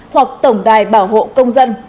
hoặc tổng đài bảo hộ công dân